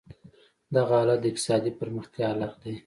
دغه حالت د اقتصادي پرمختیا حالت دی.